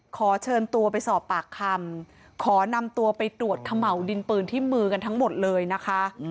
ขอเชิญตัวไปสอบปากคำขอนำตัวไปตรวจเขม่าวดินปืนที่มือกันทั้งหมดเลยนะคะ